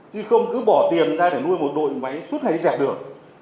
chứ không cứ bỏ tiền ra để nuôi một đội máy suốt hay dẹp được